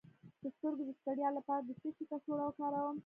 د سترګو د ستړیا لپاره د څه شي کڅوړه وکاروم؟